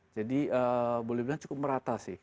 jadi boleh dibilang cukup merata sih